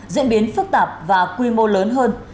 diễn biến phức tạp và quy mô lớn hơn